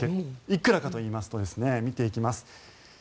いくらかといいますと見ていきます。